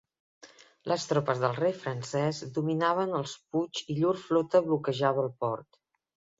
Les tropes del rei francès dominaven els puigs i llur flota bloquejava el port.